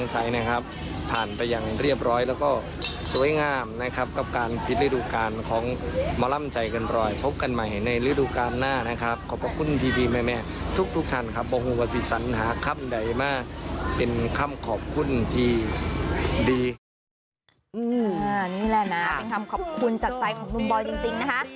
นี่แหละนะเป็นคำขอบคุณจากใจของหนุ่มบอยจริงนะคะ